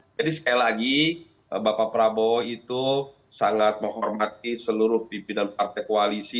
jadi sekali lagi bapak prabowo itu sangat menghormati seluruh pimpinan partai koalisi